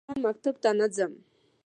زه نن مکتب ته نه ځم.